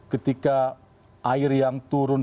ketika air yang turun